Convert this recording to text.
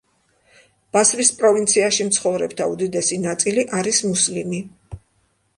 ბასრის პროვინციაში მცხოვრებთა უდიდესი ნაწილი არის მუსლიმი.